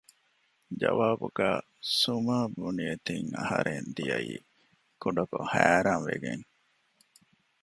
ޖަވާބުގައި ސުމާބުނިއެތިން އަހަރެން ދިޔައީ ކުޑަކޮށް ހައިރާން ވެގެން